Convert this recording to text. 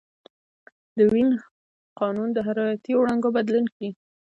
د وین قانون د حرارتي وړانګو بدلون ښيي.